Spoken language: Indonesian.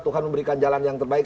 tuhan memberikan jalan yang terbaik